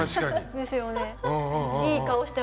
ですよね。